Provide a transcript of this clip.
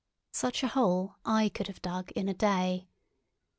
Such a hole I could have dug in a day.